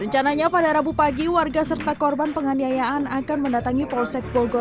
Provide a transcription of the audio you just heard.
rencananya pada rabu pagi warga serta korban penganiayaan akan mendatangi polsek bogor